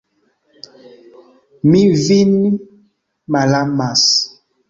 Mi vin malamas!